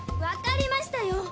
わかりましたよ